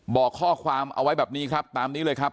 บอกข้อความเอาไว้แบบนี้ครับตามนี้เลยครับ